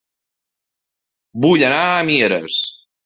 Vull anar a Mieres